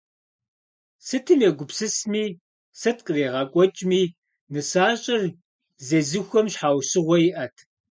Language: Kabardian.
Сытым егупсысми, сыт къригъэкӏуэкӏми, нысащӏэр зезыхуэм щхьэусыгъуэ иӏэт.